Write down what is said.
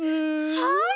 はい！